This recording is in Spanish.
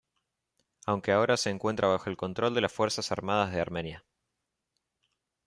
Aunque ahora se encuentra bajo el control de las Fuerzas Armadas de Armenia.